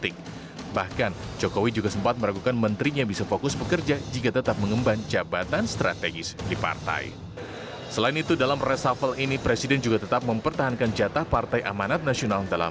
ketua umum partai golkar hartarto